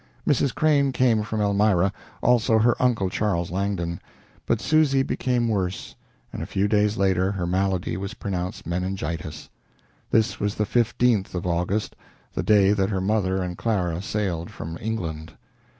Mrs. Crane came from Elmira, also her uncle Charles Langdon. But Susy became worse, and a few days later her malady was pronounced meningitis. This was the 15th of August, the day that her mother and Clara sailed from England.